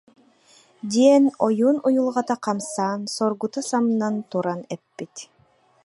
диэн ойуун уйулҕата хамсаан, соргута самнан туран эппит